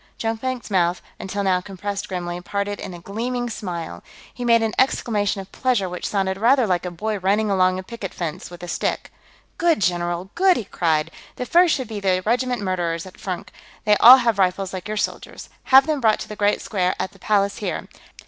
Jonkvank's mouth, until now compressed grimly, parted in a gleaming smile. He made an exclamation of pleasure which sounded rather like a boy running along a picket fence with a stick. "Good, general! Good!" he cried. "The first should be the regiment Murderers, at Furnk; they all have rifles like your soldiers. Have them brought to the Great Square, at the Palace here.